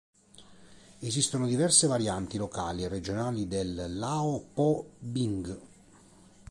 Esistono diverse varianti locali e regionali del "lao po bing".